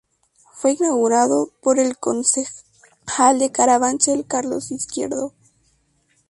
Fue inaugurado por el concejal de Carabanchel Carlos Izquierdo.